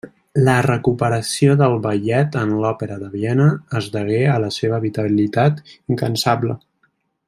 La recuperació del ballet en l'Òpera de Viena es degué a la seva vitalitat incansable.